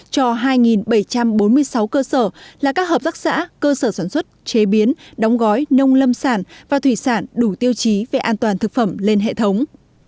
cho hai bảy trăm bốn mươi sáu cơ sở là các hợp tác xã cơ sở sản xuất chế biến đóng gói nông lâm sản và thủy sản đủ tiêu chí về an toàn thực phẩm lên hệ thống